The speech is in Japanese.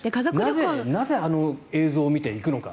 なぜあの映像を見ていくのか。